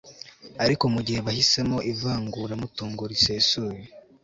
ariko mu gihe bahisemo ivanguramutungo risesuye